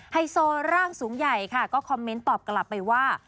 ไฮโซร่างสูงใหญ่ค่ะก็คอมเมนต์ตอบกลับไปว่า